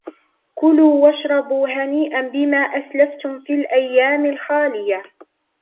كُلُوا وَاشْرَبُوا هَنِيئًا بِمَا أَسْلَفْتُمْ فِي الْأَيَّامِ الْخَالِيَةِ